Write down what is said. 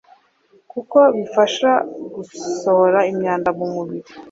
kuko bifasha gusohora imyanda mu mubiri